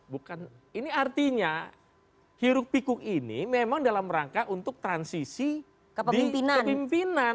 bukan ini artinya hiruk pikuk ini memang dalam rangka untuk transisi di kepimpinan